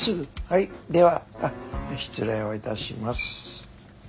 はいではあっ失礼をいたします。